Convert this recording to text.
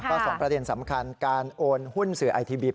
ก็สองประเด็นสำคัญการโอนหุ้นสื่อไอทีวี